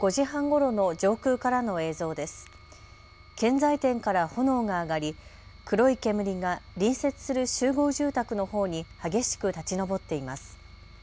建材店から炎が上がり黒い煙が隣接する集合住宅のほうに激しく立ち上っています。